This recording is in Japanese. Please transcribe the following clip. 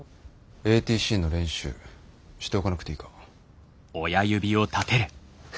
ＡＴＣの練習しておかなくていいか？